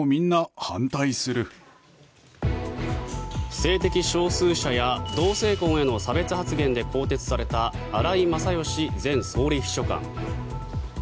性的少数者や同性婚への差別発言で更迭された荒井勝喜前総理秘書官。